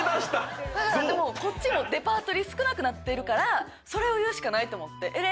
でもこっちもレパートリー少なくなってるからそれを言うしかないと思って。